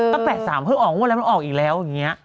ก็๘๓เพิ่งออกงวดแล้วมันออกอีกแล้วอย่างนี้